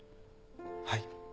はい。